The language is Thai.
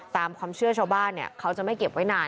ตามความเชื่อชาวบ้านเนี่ยเขาจะไม่เก็บไว้นาน